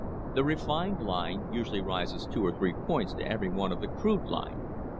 The refined line usually rises two or three points to every one of the crude line.